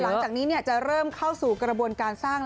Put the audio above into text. หลังจากนี้จะเริ่มเข้าสู่กระบวนการสร้าง